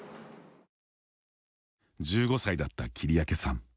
１５歳だった切明さん。